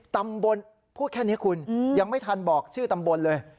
ตำบลพูดแค่นี้คุณยังไม่ทันบอกชื่อตำบลเลย